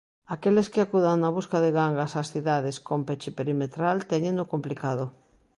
Aqueles que acudan na busca de gangas ás cidades con peche perimetral téñeno complicado.